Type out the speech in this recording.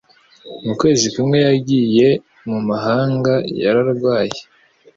Mu kwezi kumwe yagiye mu mahanga, yararwaye.